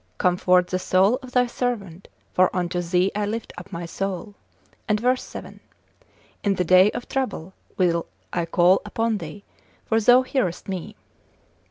Comfort the soul of thy servant, for unto thee I lift up my soul: and verse 7. In the day of trouble will I call upon thee, for thou hearest me.